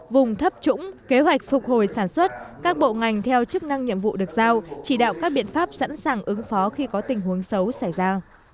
vùng thấp trũng kế hoạch phục hồi sản xuất các bộ ngành theo chức năng nhiệm vụ được giao chỉ đạo các biện pháp sẵn sàng ứng phó khi có tình huống xấu xảy ra